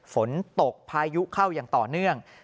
ฝนตกพายุเข้าอย่างต่อเนื่อง